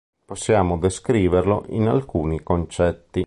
Possiamo descriverlo in alcuni concetti.